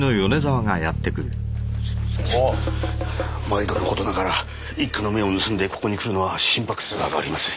毎度の事ながら一課の目を盗んでここに来るのは心拍数が上がります。